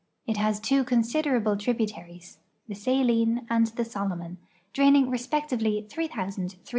It has two considerable tributaries, the Saline and the Solomon, draining respectively 3,311 and 6,882 .